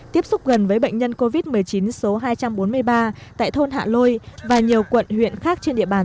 tiếp xúc gần với bệnh nhân covid một mươi chín số hai trăm bốn mươi ba tại thôn hạ lôi và nhiều quận huyện khác trên địa bàn